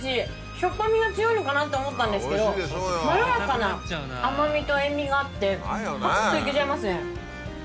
しょっぱみが強いのかなと思ったんですけどまろやかな甘みと塩味があってパクっといけちゃいますね。